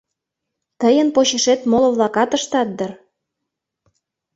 Тыйын почешет моло-влакат ыштат дыр.